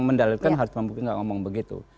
mendalatkan harus membuatnya tidak ngomong begitu